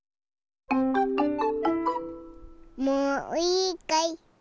もういいかい？